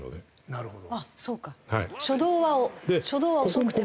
なるほど。